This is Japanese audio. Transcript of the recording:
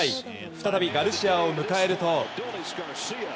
再びガルシアを迎えると。